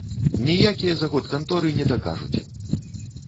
Ніякія заготканторы не дакажуць!